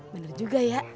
bener juga ya